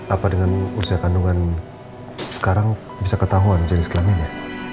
apa dengan usia kandungan sekarang bisa ketahuan jenis kelaminnya